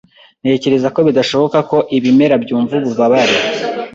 Ntekereza ko bidashoboka ko ibimera byumva ububabare .